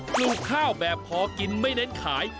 ปลูกข้าวแบบพอกินไม่เน้นขาย